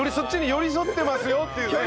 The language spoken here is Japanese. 寄り添ってますよ。